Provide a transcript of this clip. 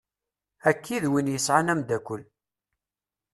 Akka i d win yesɛan amddakel.